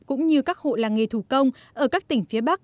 cũng như các hộ làng nghề thủ công ở các tỉnh phía bắc